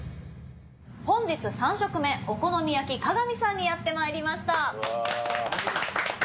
本日３食目『お好み焼鏡』さんにやってまいりました。